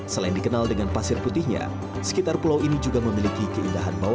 selain dikenal dengan pasir putihnya sekitar pulau ini juga memiliki keindahan bawah laut